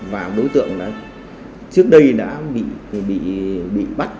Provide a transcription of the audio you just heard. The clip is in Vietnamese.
và đối tượng trước đây đã bị bắt